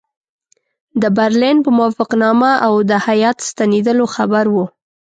د برلین په موافقتنامه او د هیات ستنېدلو خبر وو.